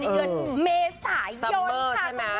ในเดือนเมษายนค่ะคุณผู้ชม